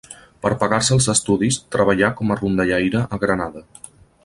Per pagar-se els estudis treballà com a rondallaire a Granada.